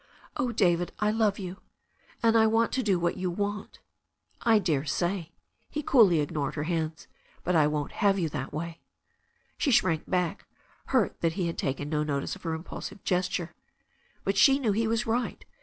"Oh, David, I love you, and I want to do what you want." "I dare say." He coolly ignored her hands. "But I won't have you that way." She shrank back, hurt that he had taken no notice of her impulsive gesture. But she knew he was right.